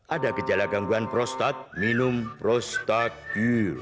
ada gejala gangguan prostat minum prostagil